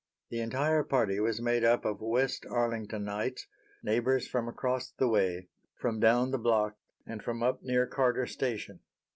The entire party was made up of West Arlingtonites, neighbors from across the way, from down the block and from up near Carter Station.